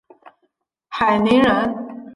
海宁人。